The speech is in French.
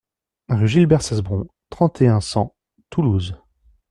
Rue Gilbert Cesbron, trente et un, cent Toulouse